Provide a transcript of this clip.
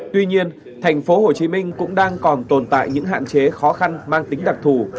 tuy nhiên tp hcm cũng đang còn tồn tại những hạn chế khó khăn mang tính đặc thù